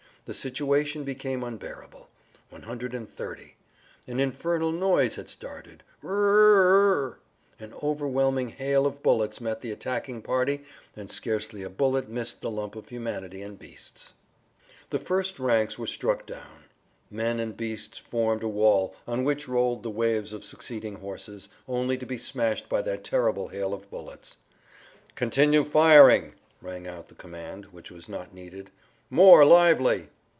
The situation became unbearable. One hundred and thirty—an infernal noise had started. Rrrrrrrr—An overwhelming hail of[Pg 57] bullets met the attacking party and scarcely a bullet missed the lump of humanity and beasts. The first ranks were struck down. Men and beasts formed a wall on which rolled the waves of succeeding horses, only to be smashed by that terrible hail of bullets. "Continue firing!" rang out the command which was not needed. "More lively!"